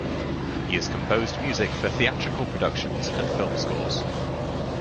He has composed music for theatrical productions and film scores.